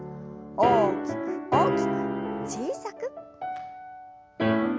大きく大きく小さく。